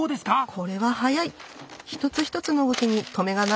これは速い！